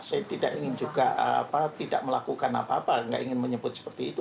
saya tidak ingin juga tidak melakukan apa apa tidak ingin menyebut seperti itu